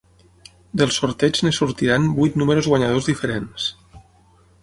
Del sorteig en sortiran vuit números guanyadors diferents.